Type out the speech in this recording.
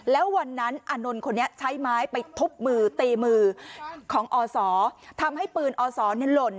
แล้ววันนั้นอานนท์คนนี้ใช้ไม้ไปทุบมือตีมือของอศทำให้ปืนอศหล่น